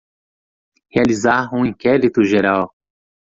Realizar um inquérito geral